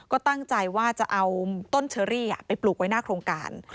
ก็ตั้งใจว่าจะเอาต้นเชอรี่ไปปลูกไว้หน้าโครงการ